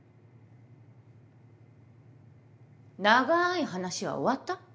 長い話は終わった？